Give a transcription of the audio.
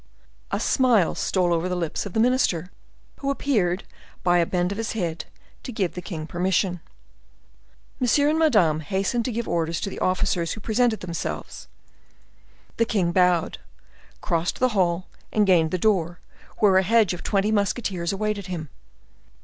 A smile stole over the lips of the minister, who appeared, by a bend of the head, to give the king permission. Monsieur and Madame hastened to give orders to the officers who presented themselves. The king bowed, crossed the hall, and gained the door, where a hedge of twenty musketeers awaited him.